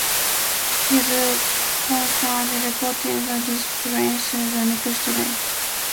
His concierge reported the disappearance the next day.